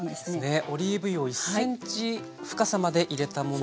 オリーブ油を１ｃｍ深さまで入れたものですね。